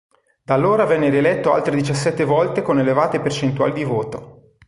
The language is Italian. Da allora venne rieletto altre diciassette volte con elevate percentuali di voto.